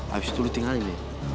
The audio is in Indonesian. habis itu lo tinggalin dia